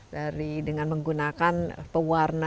dari dengan menggunakan pewarna